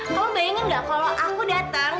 kamu bayangin nggak kalau aku datang